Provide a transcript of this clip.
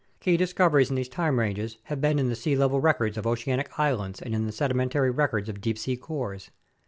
Key discoveries in these time ranges have been in the sea level records of oceanic islands and in the sedimentary records of deep sea cores.